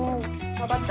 わかった。